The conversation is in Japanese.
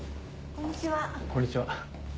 こんにちは。